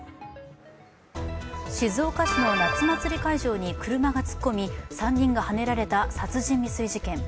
静岡市の夏祭り会場に車が突っ込み３人がはねられた殺人未遂事件。